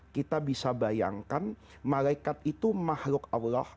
kita bisa bayangkan malaikat itu mahluk allah